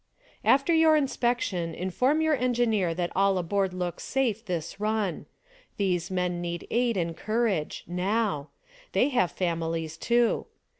After your inspection inform your engineer that all aboard looks safe this run. These men need aid and courage — now; they have families, too.